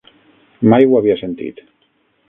Mai ho havia sentit.